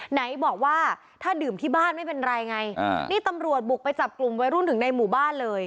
ไหนบอกว่าถ้าดื่มที่บ้านไม่เป็นไรไงนี่ตำรวจบุกไปจับกลุ่มวัยรุ่นถึงในหมู่บ้านเลย